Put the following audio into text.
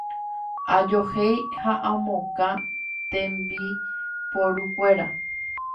Ajohéi ha amokã tembiporukuéra.